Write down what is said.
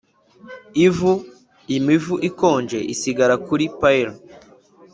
ivu, imivu ikonje isigaye kuri pyre!